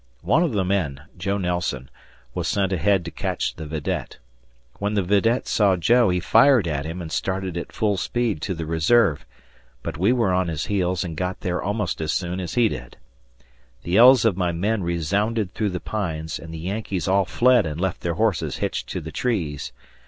One of the men, Joe Nelson, was sent ahead to catch the vidette. When the vidette saw Joe, he fired at him and started at full speed to the reserve; but we were on his heels and got there almost as soon as he did. The yells of my men resounded through the pines, and the Yankees all fled and left their horses hitched to the trees.